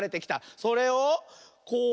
それをこう。